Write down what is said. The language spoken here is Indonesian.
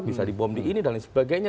bisa dibom di ini dan lain sebagainya